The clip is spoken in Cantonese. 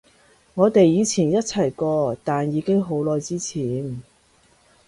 我哋以前一齊過，但已經好耐之前